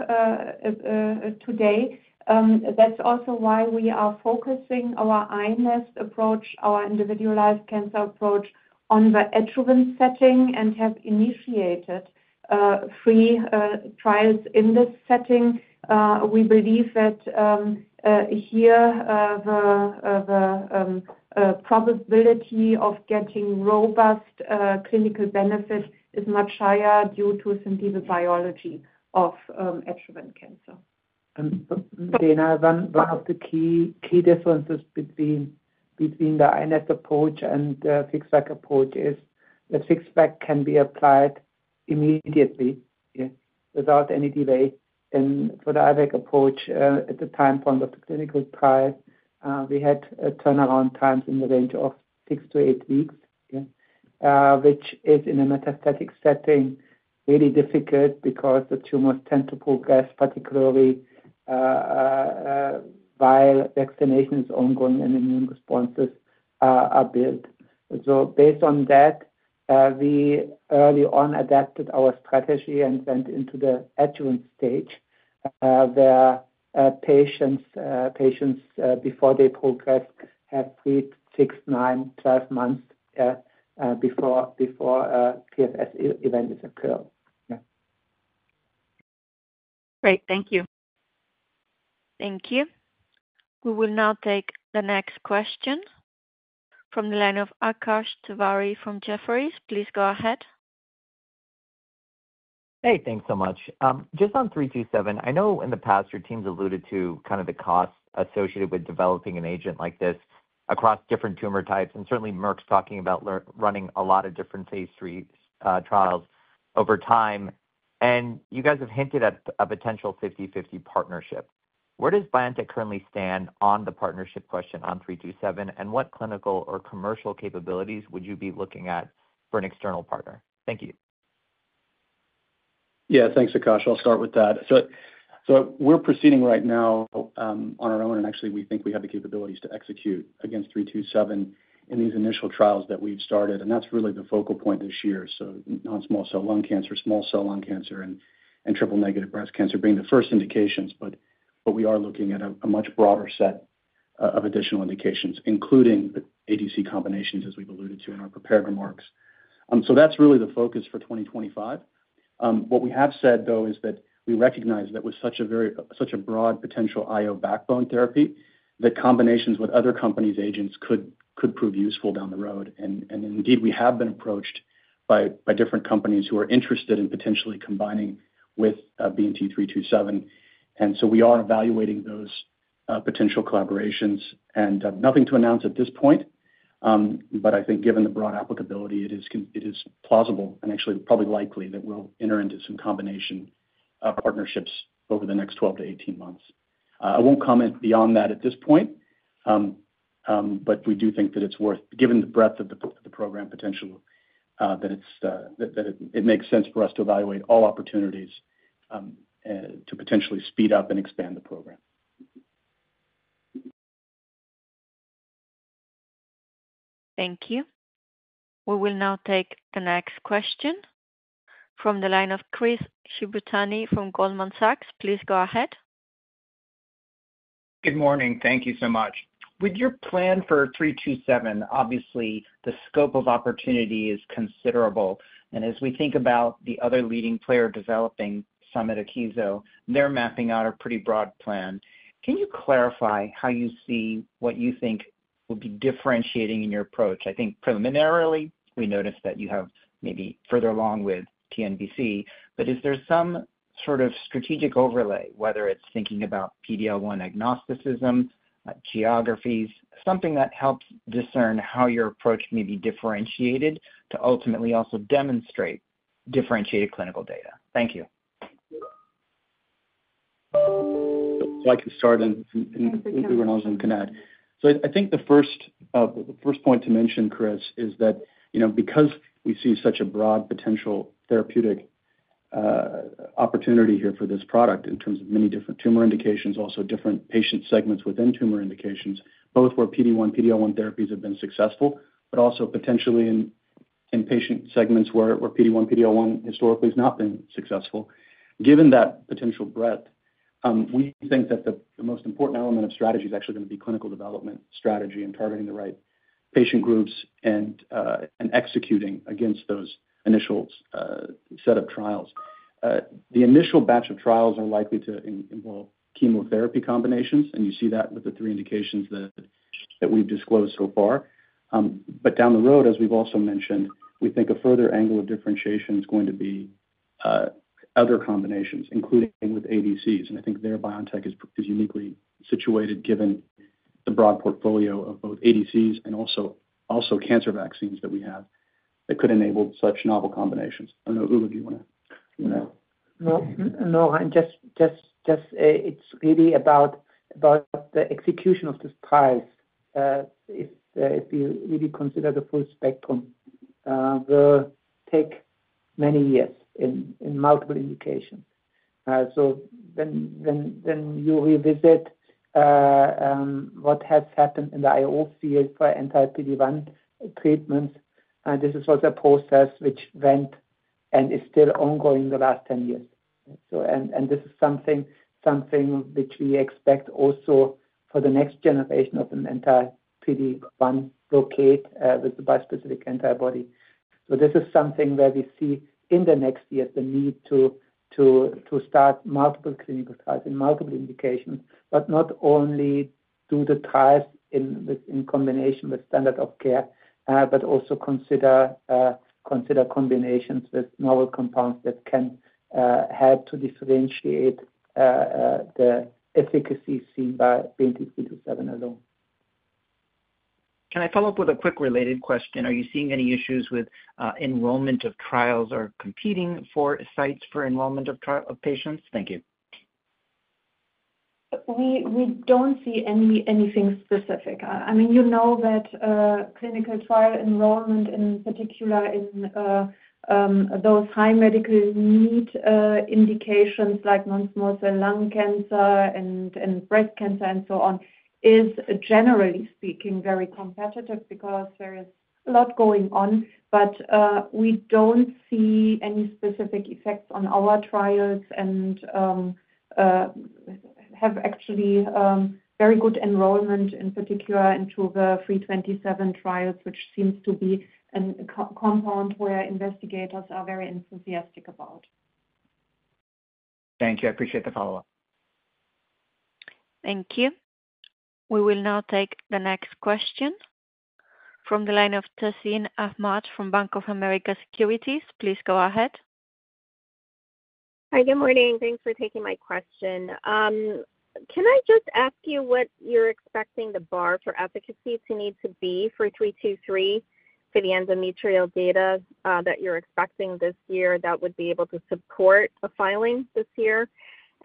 today. That is also why we are focusing our iNeST approach, our individualized cancer approach, on the adjuvant setting and have initiated three trials in this setting. We believe that here the probability of getting robust clinical benefit is much higher due to simply the biology of adjuvant cancer. Daina, one of the key differences between the Inest approach and the FixVac approach is that FixVac can be applied immediately without any delay. For the IVAC approach, at the time point of the clinical trial, we had turnaround times in the range of six to eight weeks, which is in a metastatic setting really difficult because the tumors tend to progress, particularly while vaccination is ongoing and immune responses are built. Based on that, we early on adapted our strategy and went into the adjuvant stage where patients, before they progress, have three, six, nine, twelve months before a TFS event is occurred. Great. Thank you. Thank you. We will now take the next question from the line of Akash Tewari from Jefferies. Please go ahead. Hey, thanks so much. Just on 327, I know in the past your teams alluded to kind of the cost associated with developing an agent like this across different tumor types, and certainly Merck's talking about running a lot of different phase III trials over time. You guys have hinted at a potential 50/50 partnership. Where does BioNTech currently stand on the partnership question on 327, and what clinical or commercial capabilities would you be looking at for an external partner? Thank you. Yeah, thanks, Akash. I'll start with that. We're proceeding right now on our own, and actually, we think we have the capabilities to execute against 327 in these initial trials that we've started. That's really the focal point this year. Non-small cell lung cancer, small cell lung cancer, and triple-negative breast cancer being the first indications, but we are looking at a much broader set of additional indications, including the ADC combinations, as we've alluded to in our prepared remarks. That is really the focus for 2025. What we have said, though, is that we recognize that with such a broad potential IO backbone therapy, combinations with other companies' agents could prove useful down the road. Indeed, we have been approached by different companies who are interested in potentially combining with BNT327. We are evaluating those potential collaborations. Nothing to announce at this point, but I think given the broad applicability, it is plausible and actually probably likely that we'll enter into some combination partnerships over the next 12-18 months. I won't comment beyond that at this point, but we do think that it's worth, given the breadth of the program potential, that it makes sense for us to evaluate all opportunities to potentially speed up and expand the program. Thank you. We will now take the next question from the line of Chris Shibutani from Goldman Sachs. Please go ahead. Good morning. Thank you so much. With your plan for 327, obviously, the scope of opportunity is considerable. As we think about the other leading player developing Summit, Akizo, they're mapping out a pretty broad plan. Can you clarify how you see what you think will be differentiating in your approach? I think preliminarily, we noticed that you have maybe further along with TNBC, but is there some sort of strategic overlay, whether it's thinking about PD-L1 agnosticism, geographies, something that helps discern how your approach may be differentiated to ultimately also demonstrate differentiated clinical data? Thank you. I can start, and we were noticed and can add. I think the first point to mention, Chris, is that because we see such a broad potential therapeutic opportunity here for this product in terms of many different tumor indications, also different patient segments within tumor indications, both where PD-1, PD-L1 therapies have been successful, but also potentially in patient segments where PD-1, PD-L1 historically has not been successful, given that potential breadth, we think that the most important element of strategy is actually going to be clinical development strategy and targeting the right patient groups and executing against those initial set of trials. The initial batch of trials are likely to involve chemotherapy combinations, and you see that with the three indications that we've disclosed so far. Down the road, as we've also mentioned, we think a further angle of differentiation is going to be other combinations, including with ADCs. I think there, BioNTech is uniquely situated given the broad portfolio of both ADCs and also cancer vaccines that we have that could enable such novel combinations. I don't know, Ugur, do you want to? No, no. It's really about the execution of the trials. If you really consider the full spectrum, they take many years in multiple indications. You revisit what has happened in the IO field for anti-PD1 treatments. This is also a process which went and is still ongoing the last 10 years. This is something which we expect also for the next generation of an anti-PD1 blockade with the bispecific antibody. This is something where we see in the next years the need to start multiple clinical trials in multiple indications, but not only do the trials in combination with standard of care, but also consider combinations with novel compounds that can help to differentiate the efficacy seen by BNT327 alone. Can I follow up with a quick related question? Are you seeing any issues with enrollment of trials or competing for sites for enrollment of patients? Thank you. We do not see anything specific. I mean, you know that clinical trial enrollment, in particular in those high medical need indications like non-small cell lung cancer and breast cancer and so on, is generally speaking very competitive because there is a lot going on. We do not see any specific effects on our trials and have actually very good enrollment, in particular into the 327 trials, which seems to be a compound where investigators are very enthusiastic about. Thank you. I appreciate the follow-up. Thank you. We will now take the next question from the line of Tazeen Ahmad from Bank of America Securities. Please go ahead. Hi. Good morning. Thanks for taking my question. Can I just ask you what you are expecting the bar for efficacy to need to be for 323 for the endometrial data that you are expecting this year that would be able to support a filing this year?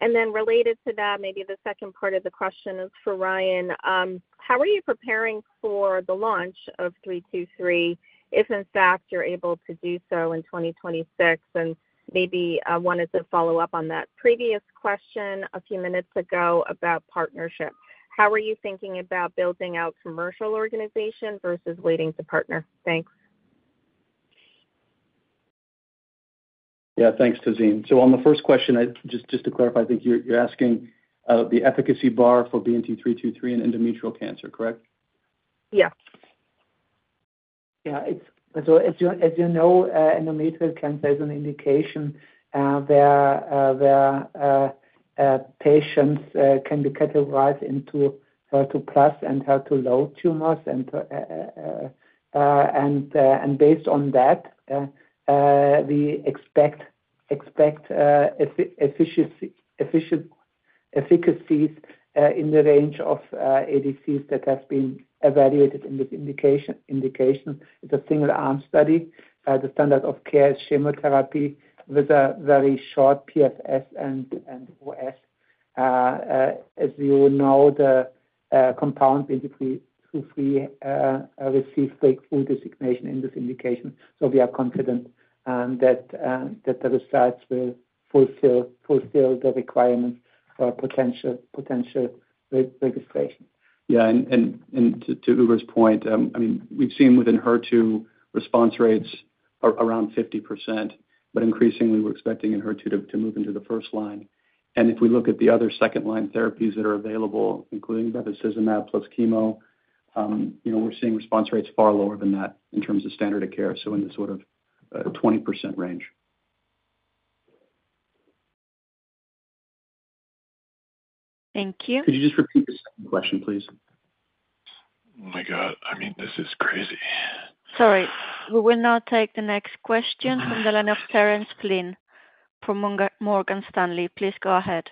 Related to that, maybe the second part of the question is for Ryan. How are you preparing for the launch of 323 if, in fact, you are able to do so in 2026? Maybe I wanted to follow up on that previous question a few minutes ago about partnership. How are you thinking about building out commercial organization versus waiting to partner? Thanks. Yeah, thanks, Tazeen. On the first question, just to clarify, I think you're asking the efficacy bar for BNT323 in endometrial cancer, correct? Yes. Yeah. As you know, endometrial cancer is an indication where patients can be categorized into HER2 plus and HER2 low tumors. Based on that, we expect efficacy in the range of ADCs that have been evaluated in this indication. It is a single-arm study. The standard of care is chemotherapy with a very short PFS and OS. As you know, the compounds in 323 received breakthrough designation in this indication. We are confident that the results will fulfill the requirements for potential registration. Yeah. To Ugur's point, I mean, we've seen within HER2 response rates around 50%, but increasingly, we're expecting in HER2 to move into the first line. If we look at the other second-line therapies that are available, including bevacizumab plus chemo, we're seeing response rates far lower than that in terms of standard of care, in the sort of 20% range. Thank you. Could you just repeat the second question, please? Oh my God. I mean, this is crazy. Sorry. We will now take the next question from the line of Terence Flynn from Morgan Stanley. Please go ahead.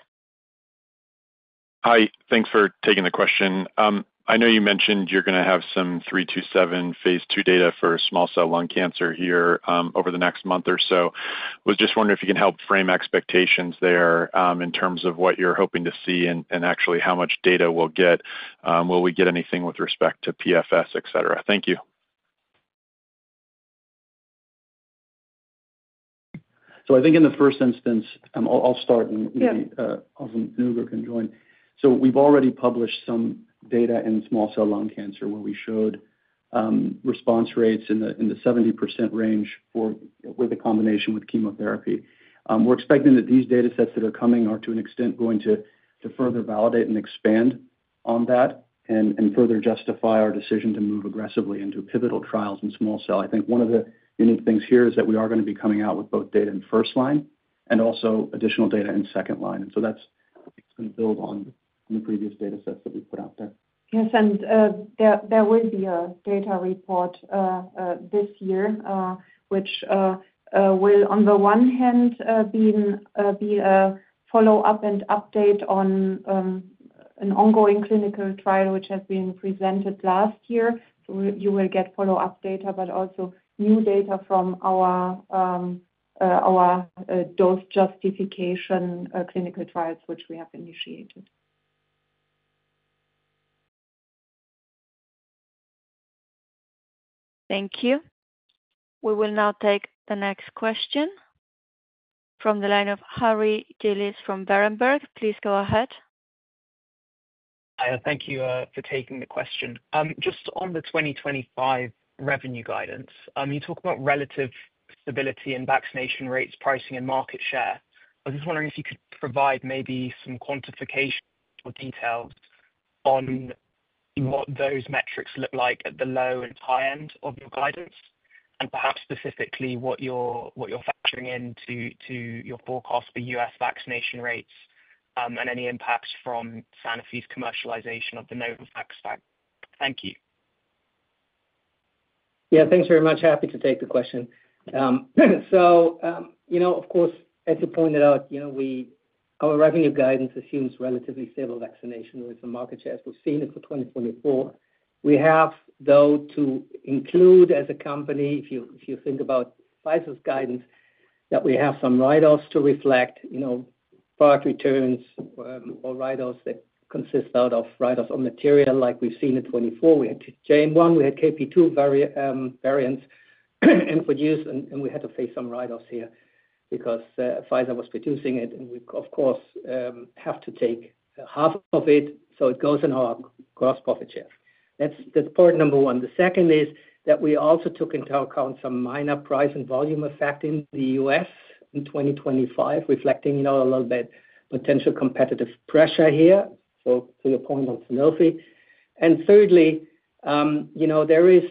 Hi. Thanks for taking the question. I know you mentioned you're going to have some 327 phase II data for small cell lung cancer here over the next month or so. I was just wondering if you can help frame expectations there in terms of what you're hoping to see and actually how much data we'll get. Will we get anything with respect to PFS, etc.? Thank you. I think in the first instance, I'll start, and maybe also Ugur can join. We've already published some data in small cell lung cancer where we showed response rates in the 70% range with a combination with chemotherapy. We're expecting that these datasets that are coming are to an extent going to further validate and expand on that and further justify our decision to move aggressively into pivotal trials in small cell. I think one of the unique things here is that we are going to be coming out with both data in first line and also additional data in second line. That is going to build on the previous datasets that we put out there. Yes. There will be a data report this year, which will, on the one hand, be a follow-up and update on an ongoing clinical trial which has been presented last year. You will get follow-up data, but also new data from our dose justification clinical trials, which we have initiated. Thank you. We will now take the next question from the line of Harry Gillis from Berenberg. Please go ahead. Thank you for taking the question. Just on the 2025 revenue guidance, you talk about relative stability in vaccination rates, pricing, and market share. I was just wondering if you could provide maybe some quantification or details on what those metrics look like at the low and high end of your guidance, and perhaps specifically what you're factoring into your forecast for US vaccination rates and any impacts from Sanofi's commercialization of the Novavax vaccine. Thank you. Yeah. Thanks very much. Happy to take the question. Of course, as you pointed out, our revenue guidance assumes relatively stable vaccination rates and market shares we've seen until 2024. We have, though, to include as a company, if you think about Pfizer's guidance, that we have some write-offs to reflect, product returns or write-offs that consist out of write-offs on material like we've seen in 2024. We had JN1. We had KP2 variants in produced, and we had to face some write-offs here because Pfizer was producing it. We, of course, have to take half of it. It goes in our gross profit share. That is part number one. The second is that we also took into account some minor price and volume effect in the U.S. in 2025, reflecting a little bit potential competitive pressure here, to your point on Sanofi. Thirdly, there is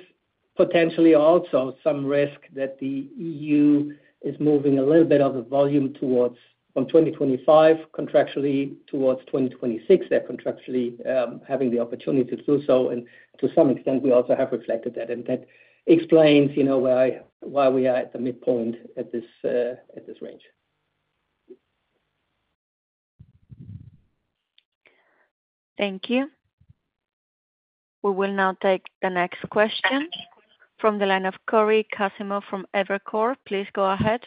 potentially also some risk that the European Union is moving a little bit of the volume from 2025 contractually towards 2026. They are contractually having the opportunity to do so. To some extent, we also have reflected that. That explains why we are at the midpoint at this range. Thank you. We will now take the next question from the line of Cory Kasimov from Evercore. Please go ahead.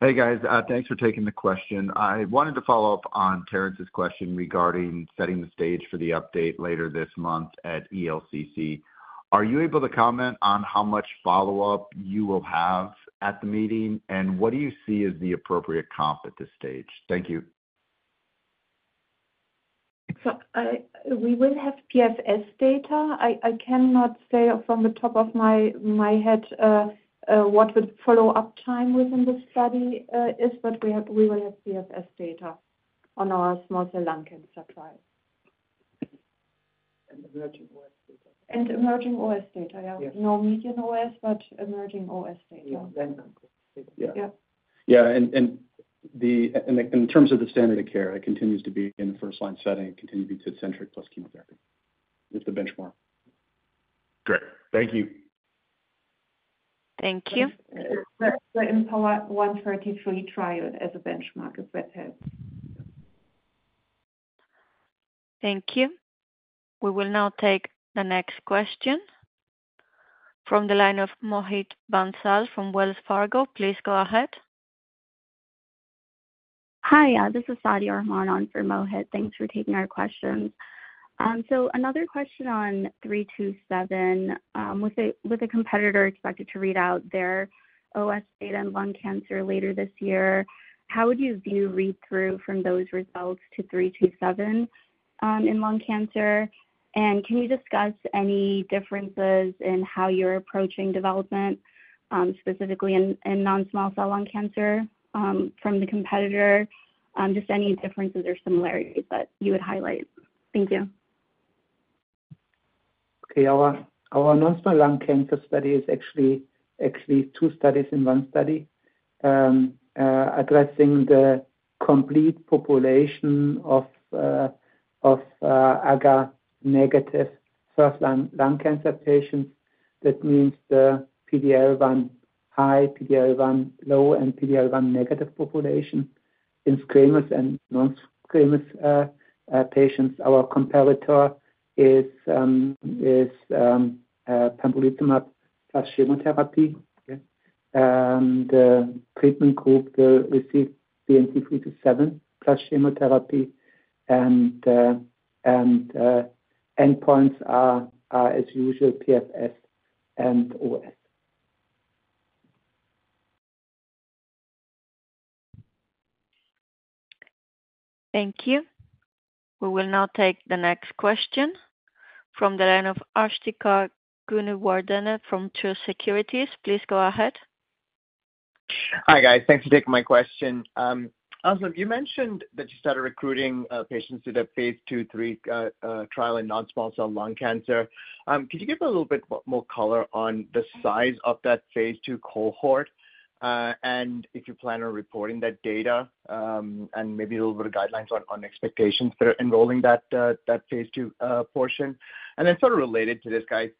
Hey, guys. Thanks for taking the question.I wanted to follow up on Terence's question regarding setting the stage for the update later this month at ELCC. Are you able to comment on how much follow-up you will have at the meeting, and what do you see as the appropriate comp at this stage? Thank you. We will have PFS data. I cannot say from the top of my head what the follow-up time within the study is, but we will have PFS data on our small cell lung cancer trial. And emerging OS data. And emerging OS data, yeah. No median OS, but emerging OS data. Yeah. Yeah. In terms of the standard of care, it continues to be in the first line setting. It continues to be Tecentriq plus chemotherapy with the benchmark. Great. Thank you. Thank you. The IMpower133 trial as a benchmark is what helps. Thank you. We will now take the next question from the line of Mohit Bansal from Wells Fargo. Please go ahead. Hi. This is Sadia Rahman from Mohit. Thanks for taking our questions. Another question on 327. With a competitor expected to read out their OS data in lung cancer later this year, how would you view read-through from those results to 327 in lung cancer? Can you discuss any differences in how you're approaching development, specifically in non-small cell lung cancer from the competitor? Just any differences or similarities that you would highlight. Thank you. Okay. Our non-small cell lung cancer study is actually two studies in one study addressing the complete population of AGA-negative first-line lung cancer patients. That means the PD-L1 high, PD-L1 low, and PD-L1 negative population. In squamous and non-squamous patients, our competitor is pembrolizumab plus chemotherapy. The treatment group will receive BNT327 plus chemotherapy. Endpoints are, as usual, PFS and OS. Thank you. We will now take the next question from the line of Asthika Goonewardene from Ture Securities. Please go ahead. Hi, guys. Thanks for taking my question. Asimov, you mentioned that you started recruiting patients to the phase II three trial in non-small cell lung cancer. Could you give a little bit more color on the size of that phase II cohort and if you plan on reporting that data and maybe a little bit of guidelines on expectations for enrolling that phase II portion? Sort of related to this, guys,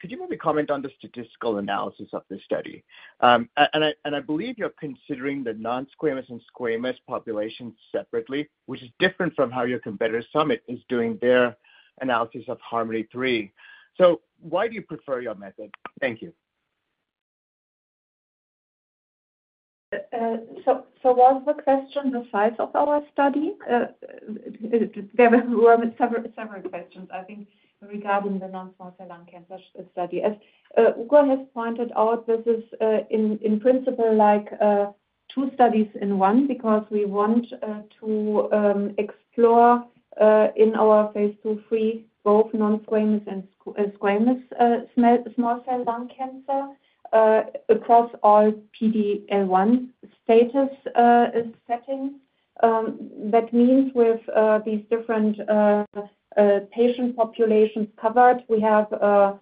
could you maybe comment on the statistical analysis of this study? I believe you are considering the non-squamous and squamous populations separately, which is different from how your competitor Summit is doing their analysis of Harmony III. Why do you prefer your method? Thank you. Was the question the size of our study? There were several questions, I think, regarding the non-small cell lung cancer study. As Ugur has pointed out, this is in principle like two studies in one because we want to explore in our phase II-III both non-squamous and squamous small cell lung cancer across all PD-L1 status settings. That means with these different patient populations covered, we have a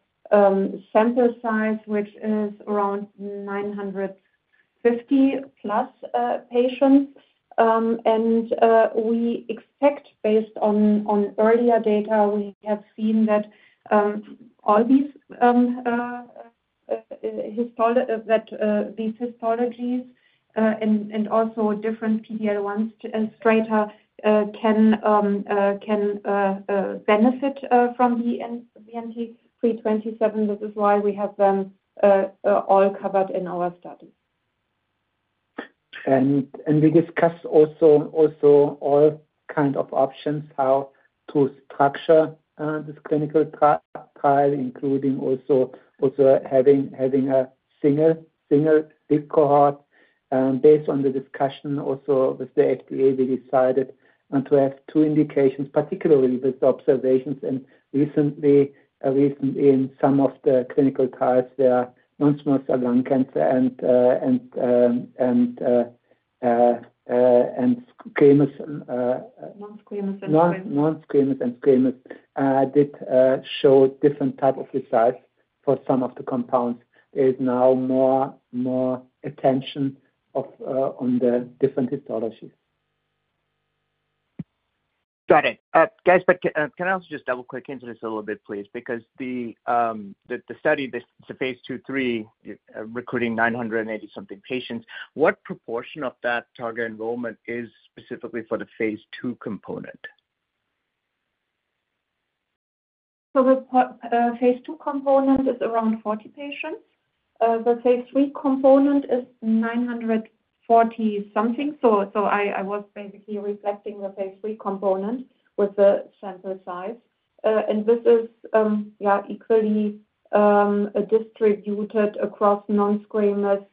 sample size which is around 950-plus patients. We expect, based on earlier data, we have seen that all these histologies and also different PD-L1 strata can benefit from the BNT327. This is why we have them all covered in our study. We discussed also all kinds of options, how to structure this clinical trial, including also having a single big cohort. Based on the discussion also with the FDA, we decided to have two indications, particularly with observations. Recently, in some of the clinical trials where non-small cell lung cancer and squamous and squamous did show different types of results for some of the compounds, there is now more attention on the different histologies. Got it. Guys, can I also just double-click into this a little bit, please? Because the study, the phase II-III, recruiting 980-something patients, what proportion of that target enrollment is specifically for the phase II component? The phase II component is around 40 patients. The phase III component is 940-something. I was basically reflecting the phase III component with the sample size. This is, yeah, equally distributed across non-squamous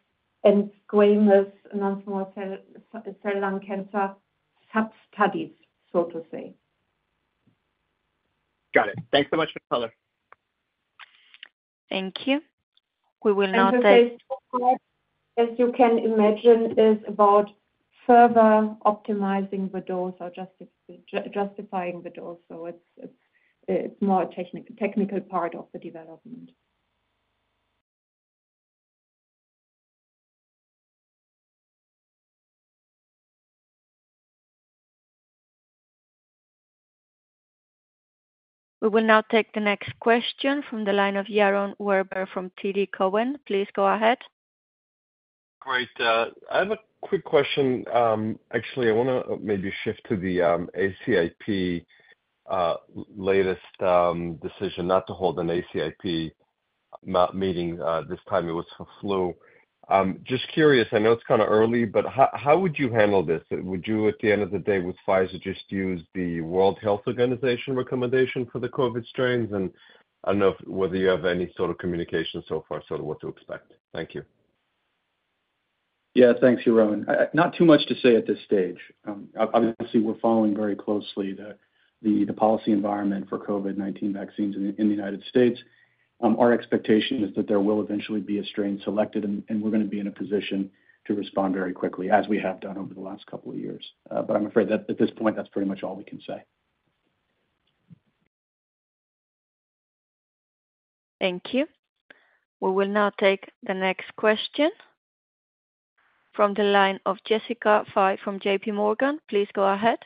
and squamous non-small cell lung cancer sub studies, so to say. Got it. Thanks so much for the color. Thank you. We will now take the next question. As you can imagine, it is about further optimizing the dose or justifying the dose. It is more a technical part of the development. We will now take the next question from the line of Yaron Werber from TD Cowen. Please go ahead. Great. I have a quick question. Actually, I want to maybe shift to the ACIP latest decision not to hold an ACIP meeting this time. It was for flu. Just curious. I know it is kind of early, but how would you handle this? Would you, at the end of the day, with Pfizer, just use the World Health Organization recommendation for the COVID strains? I do not know whether you have any sort of communication so far as sort of what to expect. Thank you. Yeah. Thanks, Yaron. Not too much to say at this stage. Obviously, we're following very closely the policy environment for COVID-19 vaccines in the United States. Our expectation is that there will eventually be a strain selected, and we're going to be in a position to respond very quickly, as we have done over the last couple of years. I'm afraid that at this point, that's pretty much all we can say. Thank you. We will now take the next question from the line of Jessica Fye from JPMorgan. Please go ahead.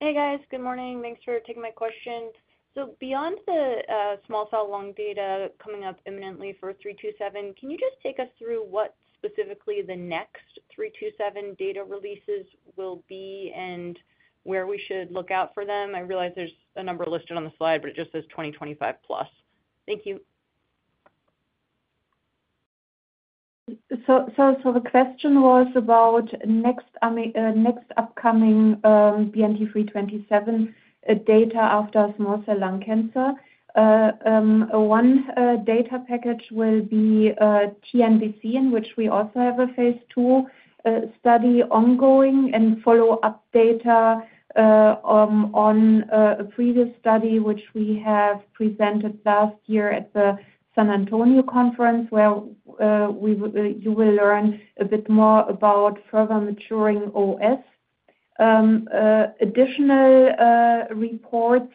Hey, guys. Good morning. Thanks for taking my question. Beyond the small cell lung data coming up imminently for 327, can you just take us through what specifically the next 327 data releases will be and where we should look out for them? I realize there's a number listed on the slide, but it just says 2025-plus. Thank you. The question was about next upcoming BNT327 data after small cell lung cancer. One data package will be TNBC, in which we also have a phase II study ongoing and follow-up data on a previous study, which we have presented last year at the San Antonio conference, where you will learn a bit more about further maturing OS. Additional reports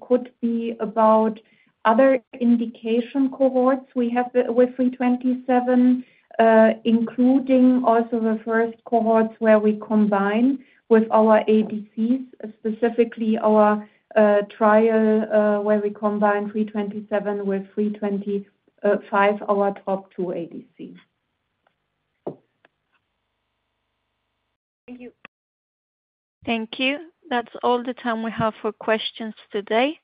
could be about other indication cohorts we have with 327, including also the first cohorts where we combine with our ADCs, specifically our trial where we combine 327 with 325, our top two ADCs. Thank you. Thank you. That is all the time we have for questions today.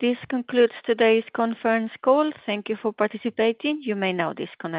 This concludes today's conference call. Thank you for participating. You may now disconnect.